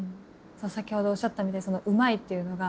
先ほどおっしゃったみたいに「うまい」っていうのが。